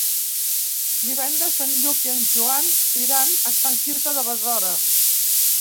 Divendres en Lluc i en Joan iran a Sant Quirze de Besora.